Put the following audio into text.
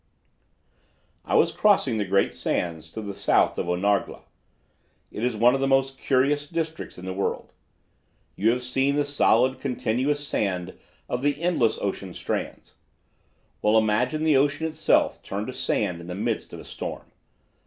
"I was crossing the great sands to the south of Onargla. It is one of the most curious districts in the world. You have seen the solid continuous sand of the endless ocean strands. Well, imagine the ocean itself turned to sand in the midst of a storm.